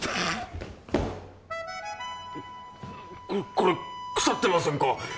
これ腐ってませんか？